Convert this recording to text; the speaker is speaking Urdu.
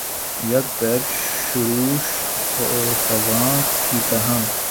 یک بیک شورش فغاں کی طرح